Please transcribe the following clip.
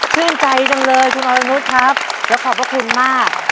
ชื่นใจจังเลยคุณอลโรนุสครับและขอบคุณมาก